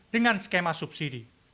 dengan skema subsidi